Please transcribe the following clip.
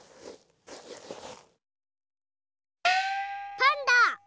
パンダ！